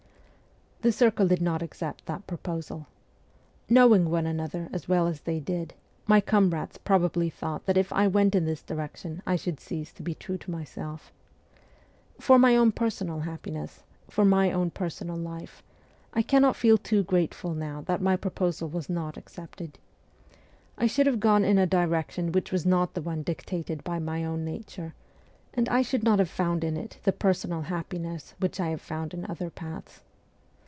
The circle did not accept that proposal. Knowing one another as well as they did, my comrades probably thought that if I went in this direction I should cease to be true to myself. For my own personal happiness, for my own personal life, I cannot feel too grateful now that my proposal was not accepted. I should have gone in a direction which was not the one dictated by my own nature, and I should not have found in it the personal happiness which I have found in other paths.